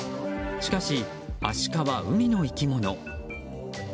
しかし、アシカは海の生き物。